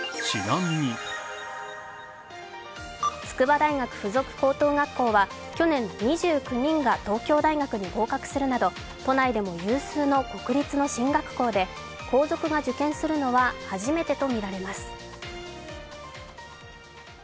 筑波大学附属高等学校は去年２９人が東京大学に合格するなど都内でも有数の国立の進学校で皇族が受験するのは初めてとみられます。